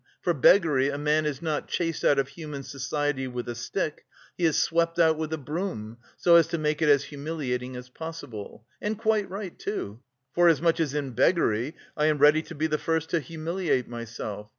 For beggary a man is not chased out of human society with a stick, he is swept out with a broom, so as to make it as humiliating as possible; and quite right, too, forasmuch as in beggary I am ready to be the first to humiliate myself.